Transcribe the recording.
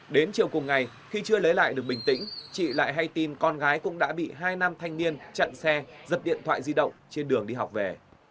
đến chiều cùng ngày khi chưa lấy lại được bình tĩnh chị lại hay tin con gái cũng đã bị hai nam thanh niên chặn xe giật điện thoại di động trên đường đi học về